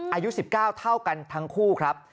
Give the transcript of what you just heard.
อายุ๑๙เท่ากันทั้งคู่ครับ